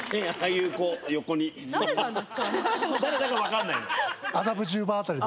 誰だか分かんないの。